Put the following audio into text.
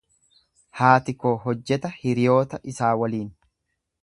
Haati koo hojjeta hiriyoota isaa waliin.